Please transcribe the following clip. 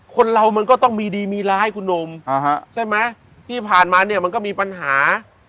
คนเรามันก็ต้องมีดีมีร้ายคุณหนุ่มใช่ไหมที่ผ่านมาเนี่ยมันก็มีปัญหา